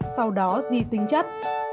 sau đó di tính chất